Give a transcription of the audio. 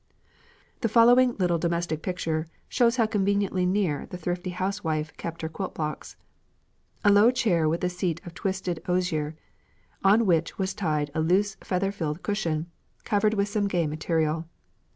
The following little domestic picture shows how conveniently near the thrifty housewife kept her quilt blocks: "A low chair with a seat of twisted osier, on which was tied a loose feather filled cushion, covered with some gay material.